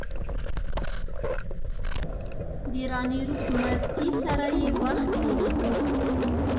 د راني روپ متي سره یې وخت تېرېدو.